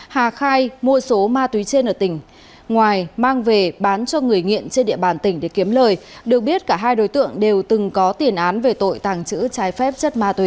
hà khai mua số ma túy trên ở tỉnh ngoài mang về bán cho người nghiện trên địa bàn tỉnh để kiếm lời được biết cả hai đối tượng đều từng có tiền án về tội tàng trữ trái phép chất ma túy